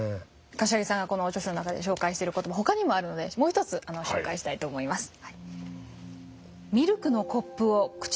頭木さんがこの著書の中で紹介している言葉他にもあるのでもう一つ紹介したいと思います。